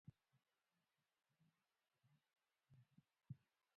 په افغانستان کې د ښارونه تاریخ اوږد دی.